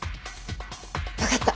わかった。